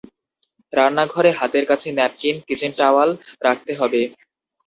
রান্নাঘরে হাতের কাছে ন্যাপকিন, কিচেন টাওয়াল রাখতে হবে।